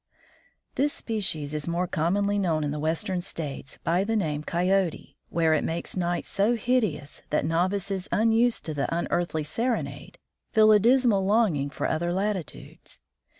This species is more commonly known in the western states by the name Coyote, where it makes night so hideous that novices unused to the "unearthly serenade" feel a dismal longing for other latitudes.